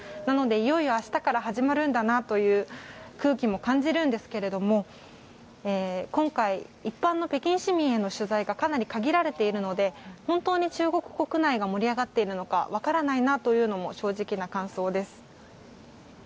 なので、いよいよ明日から始まるんだなという空気も感じるんですが今回、一般の北京市民への取材がかなり限られているので本当に中国国内が盛り上がっているのかわからないなというのも正直な感想です。